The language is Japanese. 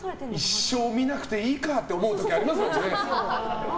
一生見なくていいかって思う時ありますよね。